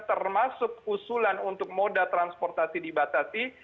termasuk usulan untuk moda transportasi dibatasi